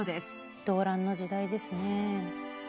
動乱の時代ですね。